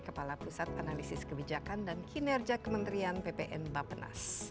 kepala pusat analisis kebijakan dan kinerja kementerian ppn bapenas